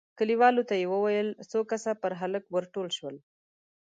کليوالو ته يې وويل، څو کسه پر هلک ور ټول شول،